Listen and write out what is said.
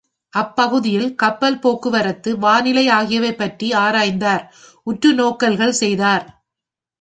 அப்பகுதியில் கப்பல் போக்குவரத்து, வானிலை ஆகியவை பற்றி ஆராய்ந்தார் உற்று நோக்கல்கள் செய்தார்.